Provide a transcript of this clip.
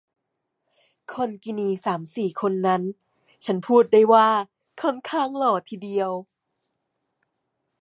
คนกินีสามสี่คนนั้น ฉันพูดได้ว่าค่อนข้างหล่อทีเดียว